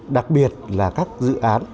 đặc biệt là các dự án